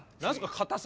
硬さ？